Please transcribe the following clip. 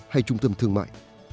hay trung tâm thương mại